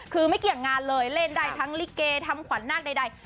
คือไม่เกี่ยงงานเลยเล่นได้ทั้งลิเกทำขวัญนาคใด